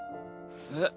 えっ？